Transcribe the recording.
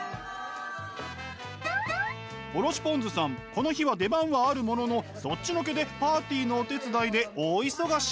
この日は出番はあるもののそっちのけでパーティーのお手伝いで大忙し。